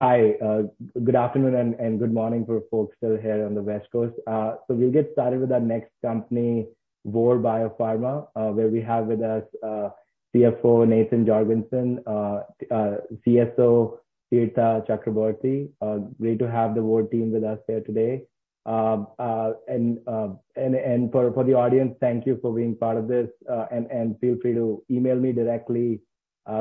Hi, good afternoon and good morning for folks still here on the West Coast. We'll get started with our next company, Vor Biopharma, where we have with us CFO Nathan Jorgensen, CSO Tirtha Chakraborty. Great to have the whole team with us here today. For the audience, thank you for being part of this, and feel free to email me directly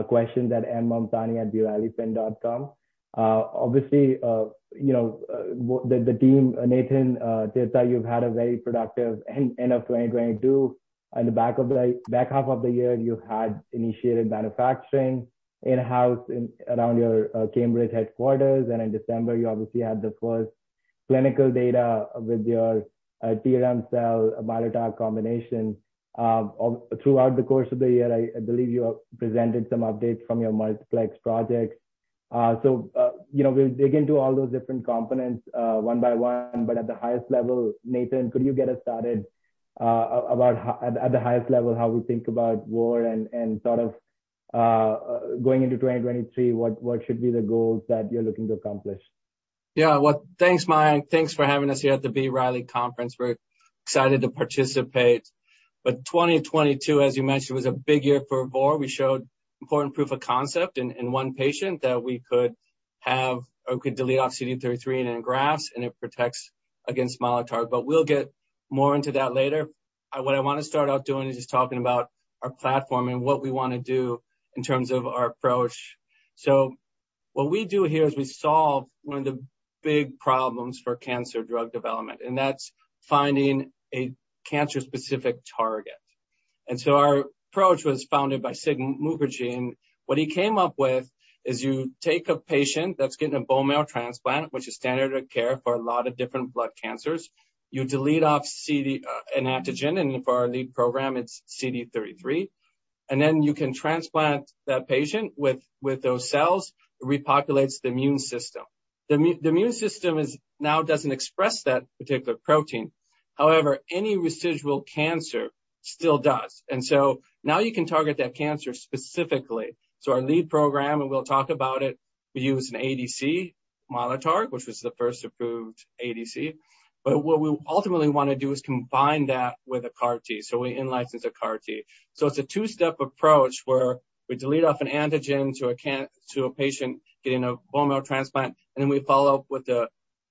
questions at mmomtani@brileyfin.com. Obviously, you know, the team, Nathan, Tirtha, you've had a very productive end of 2022. In the back half of the year, you had initiated manufacturing in-house in, around your Cambridge headquarters, and in December, you obviously had the first clinical data with your trem-cel Mylotarg combination. Throughout the course of the year, I believe you have presented some updates from your multiplex projects. You know, we'll dig into all those different components one by one, but at the highest level, Nathan, could you get us started about how at the highest level, how we think about Vor and sort of going into 2023, what should be the goals that you're looking to accomplish? Well, thanks, Mayank. Thanks for having us here at the B. Riley conference. We're excited to participate. 2022, as you mentioned, was a big year for Vor. We showed important proof of concept in one patient that we could have or could delete off CD33 and engrafts, and it protects against Mylotarg. We'll get more into that later. What I wanna start off doing is just talking about our platform and what we wanna do in terms of our approach. What we do here is we solve one of the big problems for cancer drug development, and that's finding a cancer-specific target. Our approach was founded by Siddhartha Mukherjee, and what he came up with is you take a patient that's getting a bone marrow transplant, which is standard of care for a lot of different blood cancers. You delete off CD, an antigen, and for our lead program, it's CD33, and then you can transplant that patient with those cells. It repopulates the immune system. The immune system now doesn't express that particular protein. However, any residual cancer still does. Now you can target that cancer specifically. Our lead program, and we'll talk about it, we use an ADC Mylotarg, which was the first approved ADC. What we ultimately wanna do is combine that with a CAR-T, so we in licensed a CAR-T. It's a two-step approach where we delete off an antigen to a patient getting a bone marrow transplant, and then we follow up with a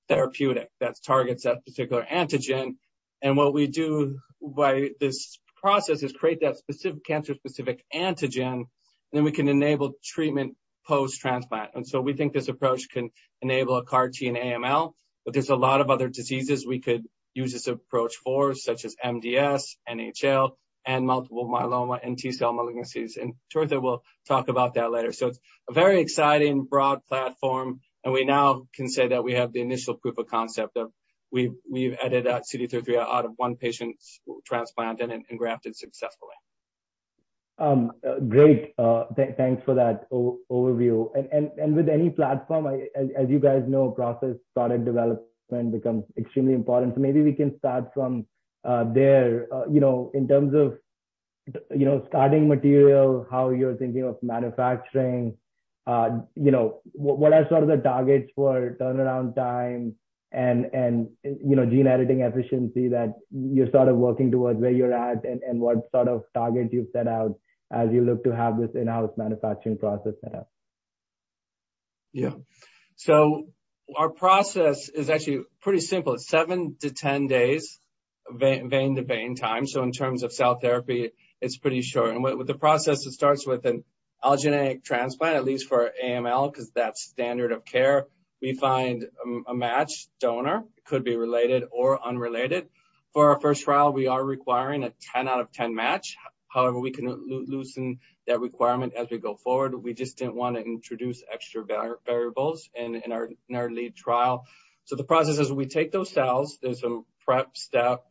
therapeutic that targets that particular antigen. What we do by this process is create that specific cancer-specific antigen, then we can enable treatment post-transplant. We think this approach can enable a CAR T and AML, but there's a lot of other diseases we could use this approach for, such as MDS, NHL, and multiple myeloma and T-cell malignancies. Tirtha will talk about that later. It's a very exciting broad platform, and we now can say that we have the initial proof of concept of we've edited out CD33 out of one patient's transplant and grafted successfully. Great. Thanks for that overview. With any platform, I, as you guys know, process product development becomes extremely important. Maybe we can start from there, you know, in terms of, you know, starting material, how you're thinking of manufacturing, you know, what are some of the targets for turnaround time and, you know, gene editing efficiency that you're sort of working towards, where you're at and what sort of targets you've set out as you look to have this in-house manufacturing process set up? Our process is actually pretty simple. It's 7-10 days vein to vein time. In terms of cell therapy, it's pretty short. With the process it starts with an allogeneic transplant, at least for AML, 'cause that's standard of care. We find a matched donor. It could be related or unrelated. For our first trial, we are requiring a 10 out of 10 match. However, we can loosen that requirement as we go forward. We just didn't wanna introduce extra variables in our lead trial. The process is we take those cells, there's a prep step,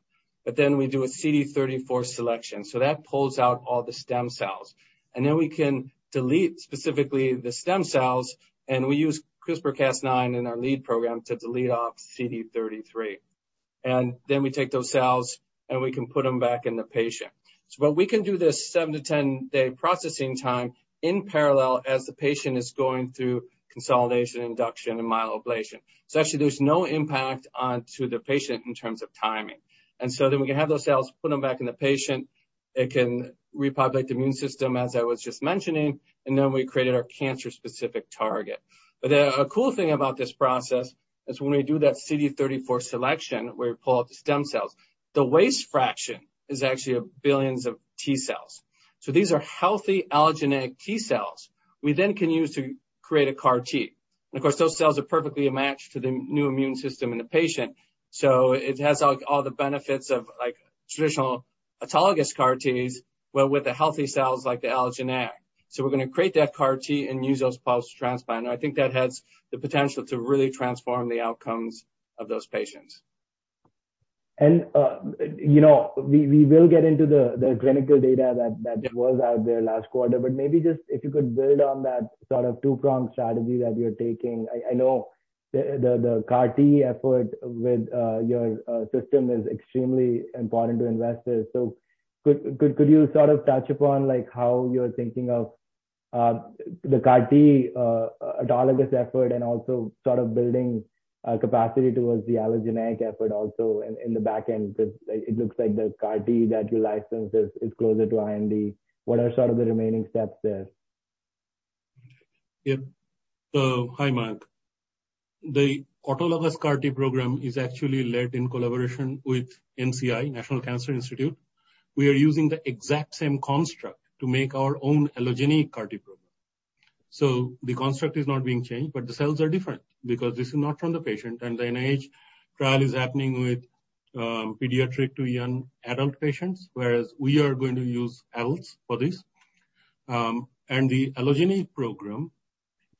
but then we do a CD34 selection. That pulls out all the stem cells. Then we can delete specifically the stem cells, and we use CRISPR-Cas9 in our lead program to delete off CD33. Then we take those cells, and we can put them back in the patient. When we can do this 7-10-day processing time in parallel as the patient is going through consolidation, induction, and myeloablation. Actually there's no impact onto the patient in terms of timing. Then we can have those cells, put them back in the patient, it can repopulate the immune system as I was just mentioning, and then we created our cancer-specific target. The cool thing about this process is when we do that CD34 selection, where we pull out the stem cells, the waste fraction is actually billions of T-cells. These are healthy allogeneic T-cells we then can use to create a CAR T. Of course, those cells are perfectly a match to the new immune system in the patient, so it has all the benefits of like traditional autologous CAR Ts, but with the healthy cells like the allogeneic. We're gonna create that CAR T and use those post-transplant. I think that has the potential to really transform the outcomes of those patients. You know, we will get into the clinical data that was out there last quarter, but maybe just if you could build on that sort of two-pronged strategy that you're taking. The CAR-T effort with your system is extremely important to investors. Could you sort of touch upon like how you're thinking of the CAR-T autologous effort and also sort of building capacity towards the allogeneic effort also in the back end? It looks like the CAR-T that you licensed is closer to IND. What are sort of the remaining steps there? Hi, Mayank. The autologous CAR-T program is actually led in collaboration with NCI, National Cancer Institute. We are using the exact same construct to make our own allogeneic CAR-T program. The construct is not being changed, but the cells are different because this is not from the patient. The NIH trial is happening with pediatric to young adult patients, whereas we are going to use adults for this. The allogeneic program,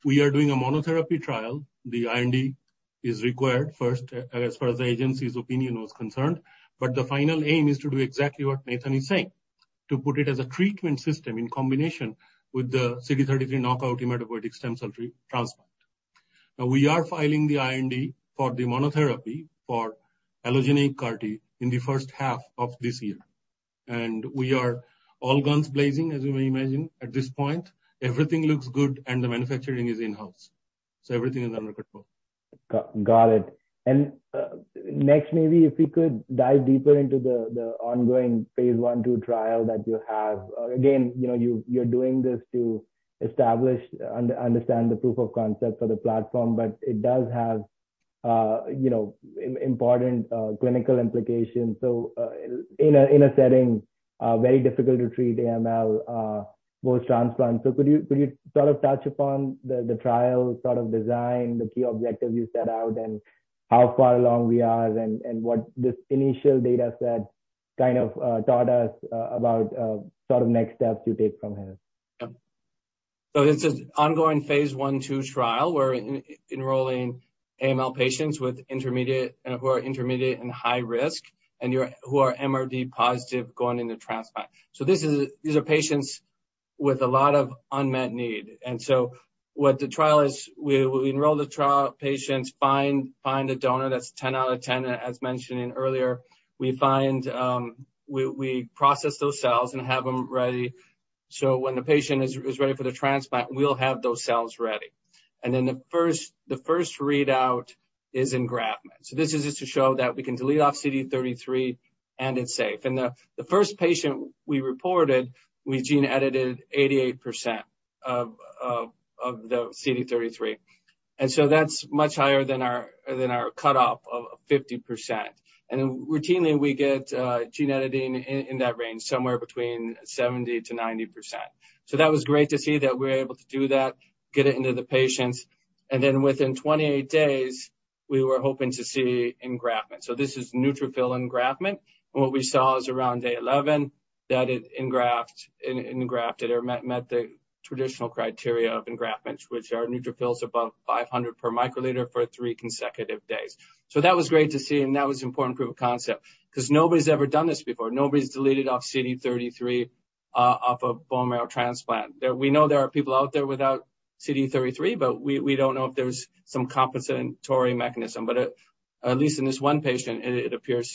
we are doing a monotherapy trial. The IND is required first as far as the agency's opinion is concerned. The final aim is to do exactly what Nathan is saying, to put it as a treatment system in combination with the CD33 knockout hematopoietic stem cell transplant. We are filing the IND for the monotherapy for allogeneic CAR-T in the first half of this year. We are all guns blazing, as you may imagine at this point. Everything looks good and the manufacturing is in-house, so everything is under control. Got it. Next, maybe if we could dive deeper into the ongoing phase I, II trial that you have. Again, you know, you're doing this to establish and understand the proof of concept for the platform, but it does have, you know, important clinical implications. In a setting very difficult to treat AML post-transplant. Could you sort of touch upon the trial sort of design, the key objectives you set out and how far along we are and what this initial data set kind of taught us about sort of next steps to take from here? This is ongoing phase 1/2 trial. We're enrolling AML patients with intermediate who are intermediate and high risk and who are MRD positive going into transplant. These are patients with a lot of unmet need. What the trial is, we enroll the trial patients, find a donor that's 10 out of 10, as mentioned earlier. We find, we process those cells and have them ready, so when the patient is ready for the transplant, we'll have those cells ready. The first readout is engraftment. This is just to show that we can delete off CD33 and it's safe. The first patient we reported, we gene edited 88% of the CD33. That's much higher than our cutoff of 50%. Routinely we get gene editing in that range, somewhere between 70%-90%. That was great to see that we're able to do that, get it into the patients. Within 28 days, we were hoping to see engraftment. This is neutrophil engraftment. What we saw is around day 11, that it engrafted or met the traditional criteria of engraftment, which are neutrophils above 500 per microliter for three consecutive days. That was great to see, and that was important proof of concept because nobody's ever done this before. Nobody's deleted off CD33 off a bone marrow transplant. We know there are people out there without CD33, but we don't know if there's some compensatory mechanism. At least in this one patient, it appears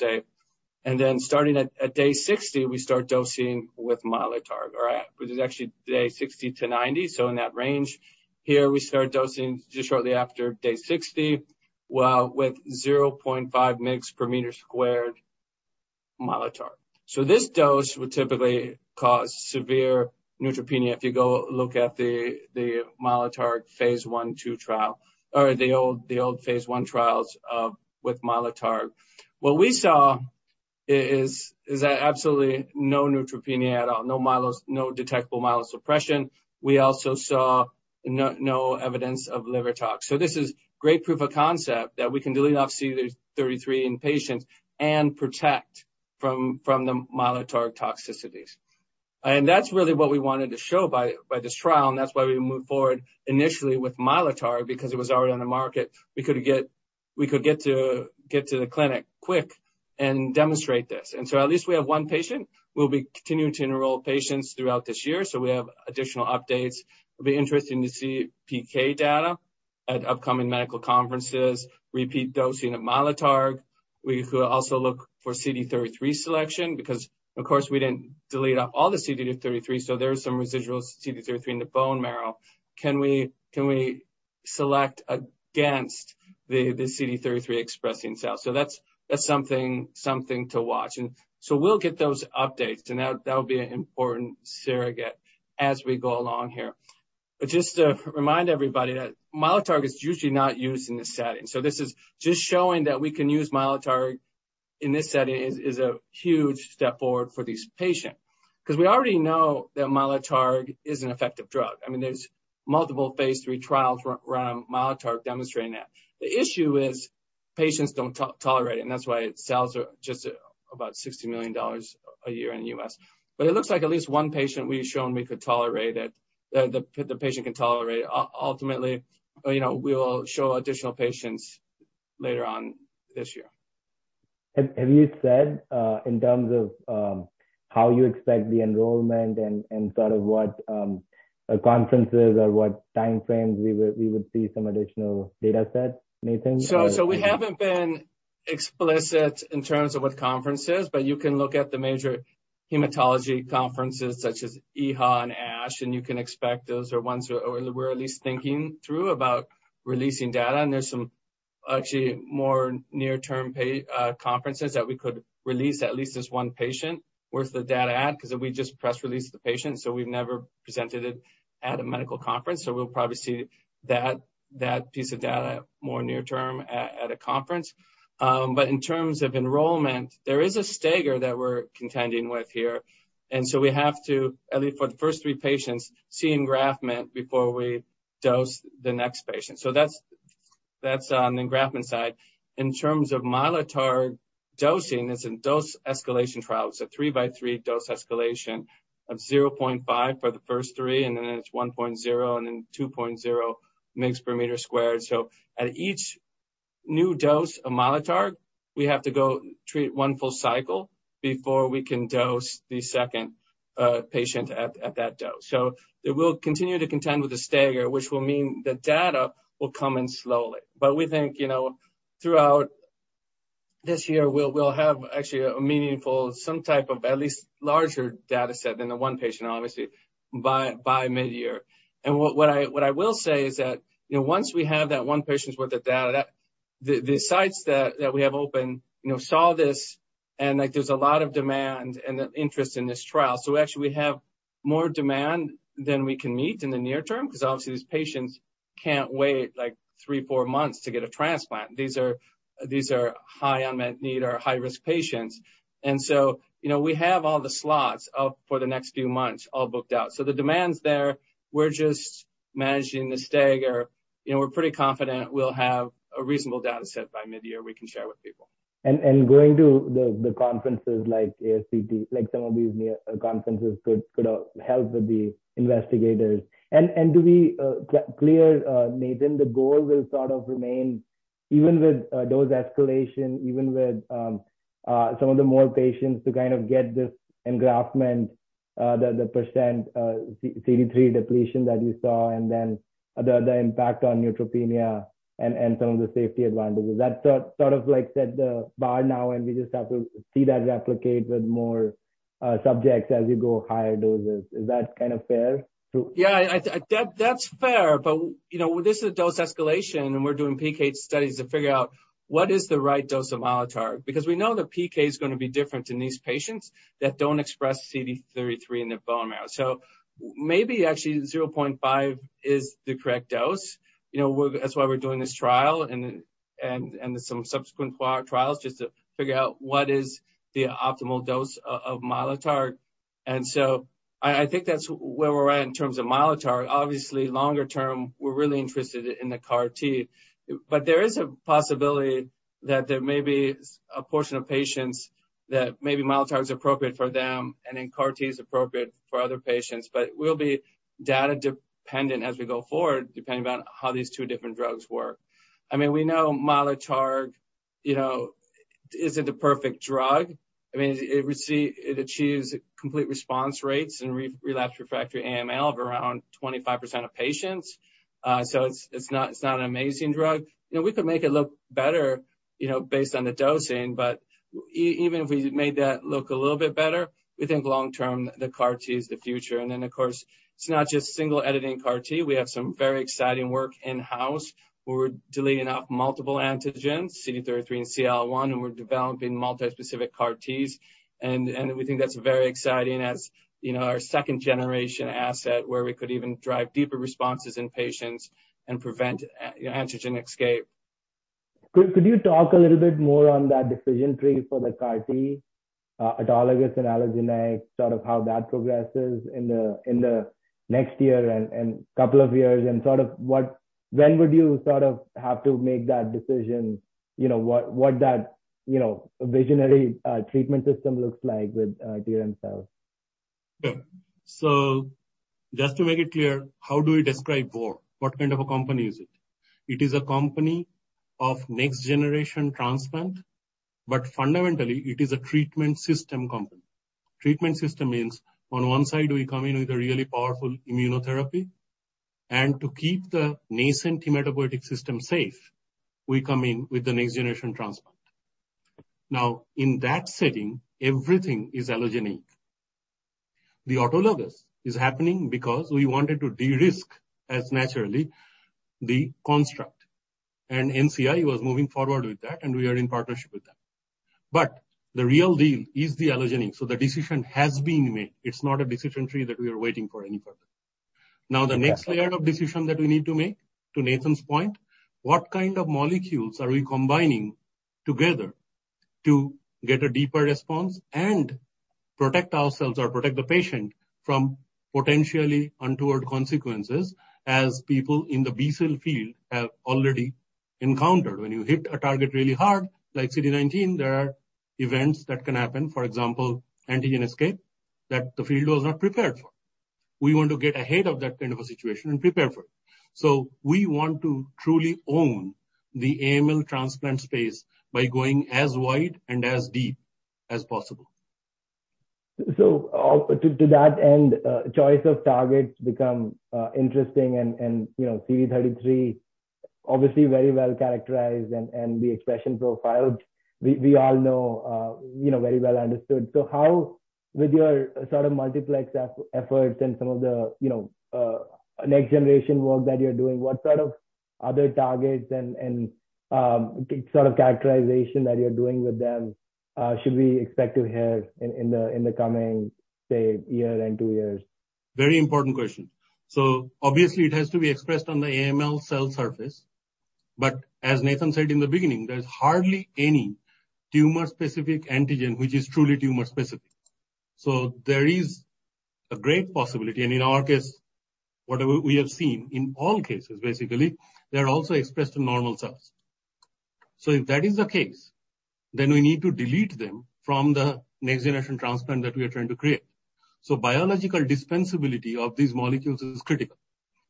safe. Starting at day 60, we start dosing with Mylotarg, all right? Which is actually day 60 to 90. In that range here, we start dosing just shortly after day 60, well, with 0.5 migs per meter squared Mylotarg. This dose would typically cause severe neutropenia if you go look at the Mylotarg phase I, II trial or the old phase I trials with Mylotarg. What we saw is that absolutely no neutropenia at all, no detectable myelosuppression. We also saw no evidence of liver tox. This is great proof of concept that we can delete off CD33 in patients and protect from the Mylotarg toxicities. That's really what we wanted to show by this trial, and that's why we moved forward initially with Mylotarg, because it was already on the market. We could get to the clinic quick and demonstrate this. At least we have 1 patient. We'll be continuing to enroll patients throughout this year, so we have additional updates. It'll be interesting to see PK data at upcoming medical conferences, repeat dosing of Mylotarg. We could also look for CD33 selection because of course, we didn't delete out all the CD33, so there is some residual CD33 in the bone marrow. Can we select against the CD33 expressing cells? That's something to watch. We'll get those updates, and that'll be an important surrogate as we go along here. Just to remind everybody that Mylotarg is usually not used in this setting. This is just showing that we can use Mylotarg in this setting is a huge step forward for these patients because we already know that Mylotarg is an effective drug. I mean, there's multiple phase III trials run on Mylotarg demonstrating that. The issue is patients don't tolerate it, and that's why it sells at just about $60 million a year in the US. It looks like at least one patient we've shown we could tolerate it, the patient can tolerate it. Ultimately, you know, we will show additional patients later on this year. Have you said, in terms of, how you expect the enrollment and sort of what conferences or what timeframes we would see some additional data sets, Nathan? We haven't been explicit in terms of what conferences, but you can look at the major hematology conferences such as EHA and ASH, you can expect those are ones we're at least thinking through about releasing data. There's some actually more near-term conferences that we could release at least this one patient worth the data at, because we just press released the patient, we've never presented it at a medical conference. We'll probably see that piece of data more near term at a conference. In terms of enrollment, there is a stagger that we're contending with here. We have to, at least for the first three patients, see engraftment before we dose the next patient. That's on engraftment side. In terms of Mylotarg dosing, it's a dose escalation trial. It's a 3x3 dose escalation of 0.5 for the first three, and then it's 1.0, and then 2.0 megs per meter squared. At each new dose of Mylotarg, we have to go treat one full cycle before we can dose the 2nd patient at that dose. It will continue to contend with the stagger, which will mean the data will come in slowly. We think, you know, throughout this year we'll have actually a meaningful, some type of at least larger data set than the one patient, obviously, by mid-year. What I will say is that, you know, once we have that one patient's worth of data, the sites that we have open, you know, saw this and, like, there's a lot of demand and interest in this trial. Actually, we have more demand than we can meet in the near term because obviously these patients can't wait, like, three, four months to get a transplant. These are high unmet need or high-risk patients. You know, we have all the slots up for the next few months all booked out. The demand's there. We're just managing the stagger. You know, we're pretty confident we'll have a reasonable data set by mid-year we can share with people. Going to the conferences like ASTCT, like some of these near conferences could help with the investigators. To be clear, Nathan, the goal will sort of remain even with those escalation, even with some of the more patients to kind of get this engraftment, the % CD3 depletion that you saw and then the impact on neutropenia and some of the safety advantages. That sort of like set the bar now and we just have to see that replicate with more subjects as you go higher doses. Is that kind of fair to-? Yeah. That's fair. You know, this is a dose escalation, and we're doing PK studies to figure out what is the right dose of Mylotarg, because we know the PK is gonna be different in these patients that don't express CD33 in their bone marrow. Maybe actually 0.5 is the correct dose. You know, that's why we're doing this trial and some subsequent trials just to figure out what is the optimal dose of Mylotarg. I think that's where we're at in terms of Mylotarg. Obviously, longer term, we're really interested in the CAR T. There is a possibility that there may be a portion of patients that maybe Mylotarg is appropriate for them, and then CAR T is appropriate for other patients. We'll be data dependent as we go forward, depending on how these two different drugs work. I mean, we know Mylotarg, you know, isn't a perfect drug. I mean, it achieves complete response rates in re-relapsed/refractory AML of around 25% of patients. It's not an amazing drug. You know, we could make it look better, you know, based on the dosing, even if we made that look a little bit better, we think long term, the CAR T is the future. Of course, it's not just single editing CAR T. We have some very exciting work in-house. We're deleting out multiple antigens, CD33 and CLL-1, and we're developing multi-specific CAR Ts. We think that's very exciting as, you know, our second generation asset where we could even drive deeper responses in patients and prevent antigen escape. Could you talk a little bit more on that decision tree for the CAR T, autologous and allogeneic, sort of how that progresses in the next year and couple of years? When would you sort of have to make that decision, you know, what that, you know, visionary treatment system looks like with DM cells? Just to make it clear, how do we describe VOR? What kind of a company is it? It is a company of next generation transplant, fundamentally it is a treatment system company. Treatment system means on one side we come in with a really powerful immunotherapy, to keep the nascent hematopoietic system safe, we come in with the next generation transplant. In that setting, everything is allogeneic. The autologous is happening because we wanted to de-risk as naturally the construct, NCI was moving forward with that, we are in partnership with them. The real deal is the allogeneic. The decision has been made. It's not a decision tree that we are waiting for any further. The next layer of decision that we need to make, to Nathan's point, what kind of molecules are we combining together to get a deeper response and protect ourselves or protect the patient from potentially untoward consequences as people in the B-cell field have already encountered? When you hit a target really hard, like CD19, there are events that can happen, for example, antigen escape, that the field was not prepared for. We want to get ahead of that kind of a situation and prepare for it. We want to truly own the AML transplant space by going as wide and as deep as possible. To that end, choice of targets become interesting and, you know, CD33 obviously very well characterized and the expression profiled, we all know, you know, very well understood. How with your sort of multiplex efforts and some of the, you know, next generation work that you're doing, what sort of other targets and, sort of characterization that you're doing with them, should we expect to hear in the coming, say, year and two years? Very important question. Obviously it has to be expressed on the AML cell surface. As Nathan said in the beginning, there's hardly any tumor-specific antigen which is truly tumor-specific. There is a great possibility, and in our case, what we have seen in all cases, basically, they're also expressed in normal cells. If that is the case, then we need to delete them from the next generation transplant that we are trying to create. Biological dispensability of these molecules is critical.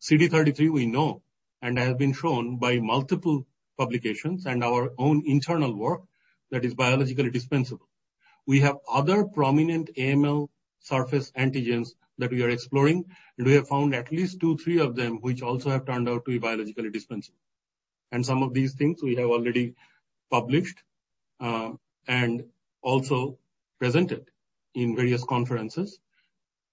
CD33, we know, and has been shown by multiple publications and our own internal work that is biologically dispensable. We have other prominent AML surface antigens that we are exploring, and we have found at least two, three of them, which also have turned out to be biologically dispensable. Some of these things we have already published and also presented in various conferences.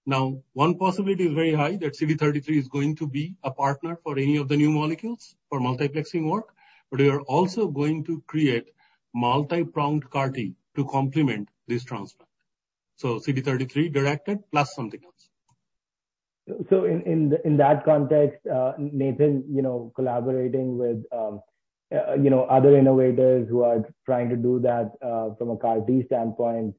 One possibility is very high that CD33 is going to be a partner for any of the new molecules for multiplexing work, but we are also going to create multi-pronged CAR-T to complement this transplant. CD33 directed plus something else. In that context, Nathan, you know, collaborating with, you know, other innovators who are trying to do that, from a CAR-T standpoint,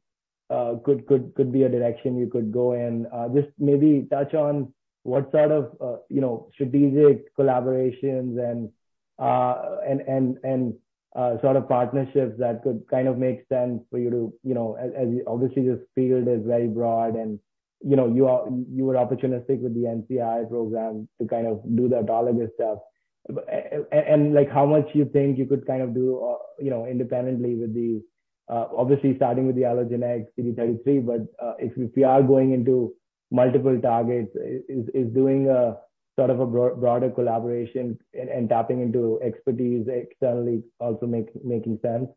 could be a direction you could go in. Just maybe touch on what sort of, you know, strategic collaborations and sort of partnerships that could kind of make sense for you to, you know, as obviously this field is very broad and, you know, you were opportunistic with the NCI program to kind of do the autologous stuff. And like how much do you think you could kind of do, you know, independently with the, obviously starting with the allogeneic CD33, but, if you are going into multiple targets, is doing a sort of a broader collaboration and tapping into expertise externally also making sense?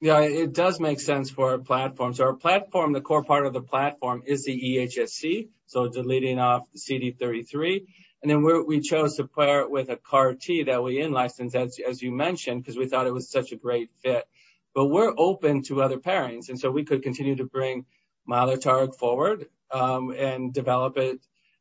Yeah, it does make sense for our platform. Our platform, the core part of the platform is the eHSC, deleting off the CD33. We chose to pair it with a CAR-T that we in-licensed, as you mentioned, because we thought it was such a great fit. We're open to other pairings, and so we could continue to bring Mylotarg forward, and develop it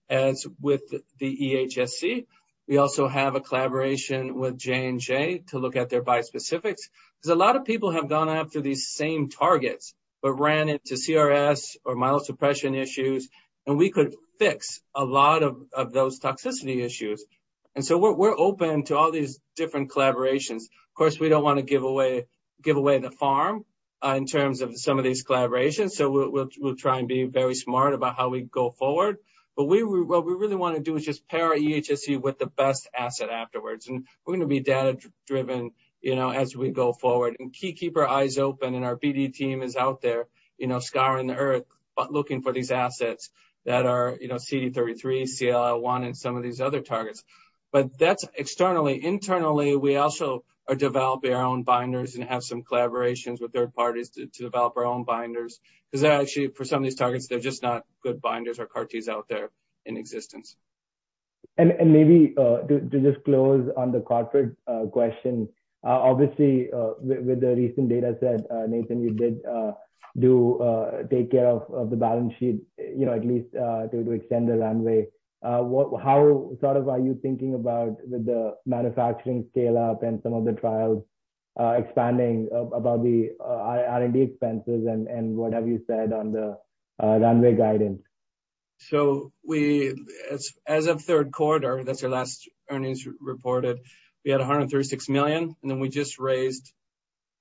as with the eHSC. We also have a collaboration with J&J to look at their bispecifics. A lot of people have gone after these same targets, but ran into CRS or myelosuppression issues, and we could fix a lot of those toxicity issues. We're open to all these different collaborations. Of course, we don't want to give away the farm in terms of some of these collaborations, so we'll try and be very smart about how we go forward. What we really wanna do is just pair our eHSC with the best asset afterwards, and we're gonna be data-driven, you know, as we go forward and keep our eyes open, and our BD team is out there, you know, scouring the earth, but looking for these assets that are, you know, CD33, CLL-1, and some of these other targets. That's externally. Internally, we also are developing our own binders and have some collaborations with third parties to develop our own binders. 'Cause actually, for some of these targets, they're just not good binders or CAR-Ts out there in existence. Maybe, to just close on the corporate question. With the recent data set, Nathan, you did do take care of the balance sheet, you know, at least, to extend the runway. How sort of are you thinking about with the manufacturing scale-up and some of the trials, expanding about the R&D expenses and what have you said on the runway guidance? As of third quarter, that's our last earnings reported, we had $136 million, we just raised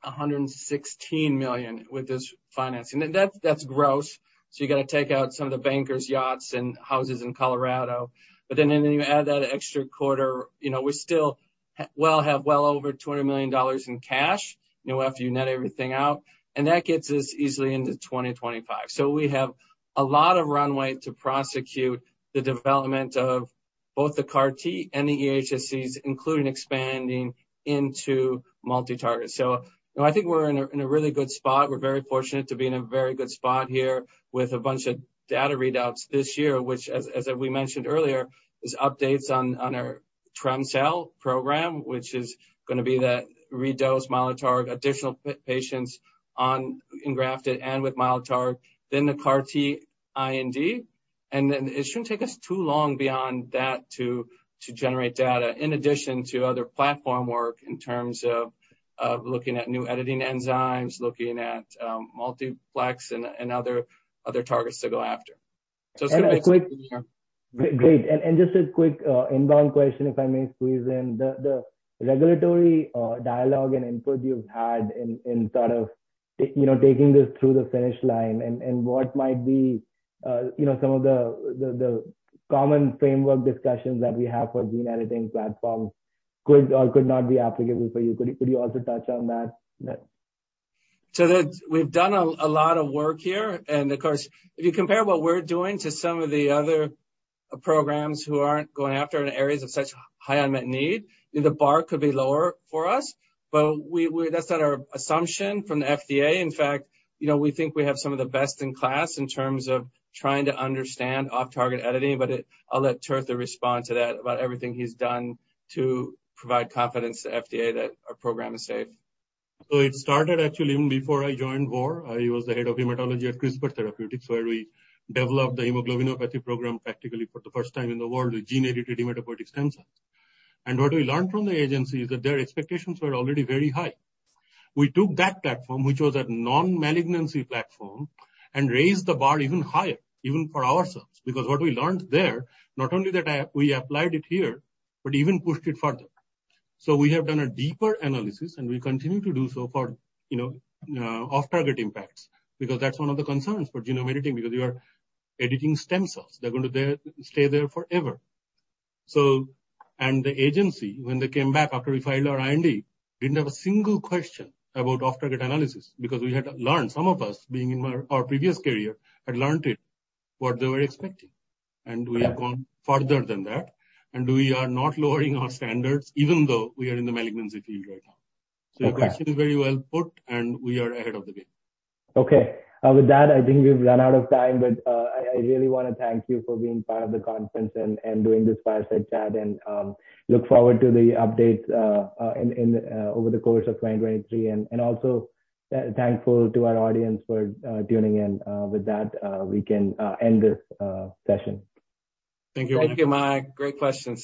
$116 million with this financing. That's gross, you gotta take out some of the bankers' yachts and houses in Colorado. You add that extra quarter, you know, we still have well over $200 million in cash, you know, after you net everything out, that gets us easily into 2025. We have a lot of runway to prosecute the development of both the CAR-T and the eHSCs, including expanding into multi-target. You know, I think we're in a, we're in a really good spot. We're very fortunate to be in a very good spot here with a bunch of data readouts this year, which as we mentioned earlier, is updates on our trem-cel program, which is gonna be that redose Mylotarg, additional patients on engrafted and with Mylotarg, then the CAR T IND. It shouldn't take us too long beyond that to generate data in addition to other platform work in terms of looking at new editing enzymes, looking at multiplex and other targets to go after. It's gonna be a quick year. Great. Just a quick inbound question, if I may squeeze in. The regulatory dialogue and input you've had You know, taking this through the finish line and what might be, you know, some of the common framework discussions that we have for gene editing platform could or could not be applicable for you. Could you also touch on that? We've done a lot of work here. Of course, if you compare what we're doing to some of the other programs who aren't going after in areas of such high unmet need, the bar could be lower for us. That's not our assumption from the FDA. In fact, you know, we think we have some of the best in class in terms of trying to understand off-target editing. I'll let Tirtha respond to that about everything he's done to provide confidence to FDA that our program is safe. It started actually even before I joined Vor. I was the head of hematology at CRISPR Therapeutics, where we developed the hemoglobinopathy program practically for the first time in the world with gene-edited hematopoietic stem cells. What we learned from the agency is that their expectations were already very high. We took that platform, which was a non-malignancy platform, and raised the bar even higher, even for ourselves, because what we learned there, not only that we applied it here, but even pushed it further. We have done a deeper analysis, and we continue to do so for, you know, off-target impacts, because that's one of the concerns for genome editing, because you are editing stem cells. They're going to stay there forever. The agency, when they came back after we filed our IND, didn't have a single question about off-target analysis because we had learned, some of us, being in our previous career, had learned it, what they were expecting. We have gone further than that. We are not lowering our standards, even though we are in the malignancy field right now. Okay. The question is very well put, and we are ahead of the game. Okay. With that, I think we've run out of time. I really wanna thank you for being part of the conference and doing this fireside chat and look forward to the updates in over the course of 2023. Also, thankful to our audience for tuning in. With that, we can end this session. Thank you. Thank you, Mayank. Great questions.